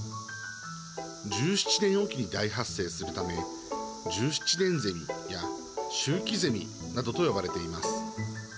１７年おきに大発生するため１７年ゼミや周期ゼミなどと呼ばれています。